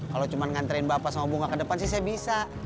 kalau cuma nganterin bapak sama bunga ke depan sih saya bisa